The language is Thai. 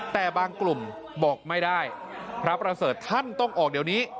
แต่บางกลุ่มบอกไม่ได้พระประเสริฐท่านต้องออกเดี๋ยวนี้